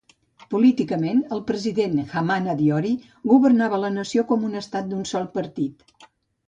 Políticament, el president Hamani Diori governava la nació com un estat d'un sol partit.